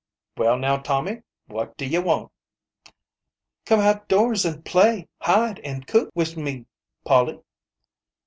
" Well, now, Tommy, what do ye want ?"" Come out doors an' play hide an' coot wis me, Polly."